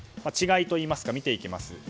違いといいますか、見ていきます。